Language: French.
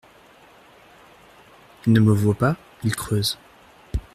Il ne me voit pas… il creuse.